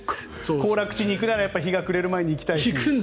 行楽地に行くなら日が暮れる前に行きたい。